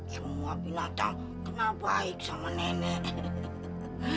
semua binatang kenal baik sama nenek